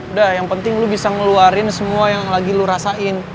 udah yang penting lu bisa ngeluarin semua yang lagi lu rasain